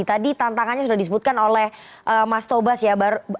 tadi tantangannya sudah disebutkan oleh mas tobas ya